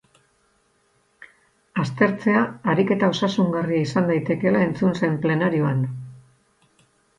Aztertzea ariketa osasungarria izan daitekeela entzun zen plenarioan.